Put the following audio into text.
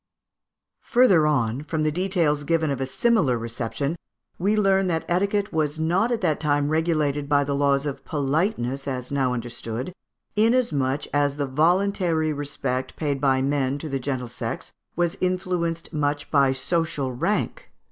Further on, from the details given of a similar reception, we learn that etiquette was not at that time regulated by the laws of politeness as now understood, inasmuch as the voluntary respect paid by men to the gentle sex was influenced much by social rank.